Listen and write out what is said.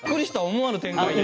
思わぬ展開で。